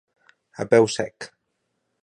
A peu sec.